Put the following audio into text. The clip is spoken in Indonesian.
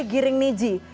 sudah giring niji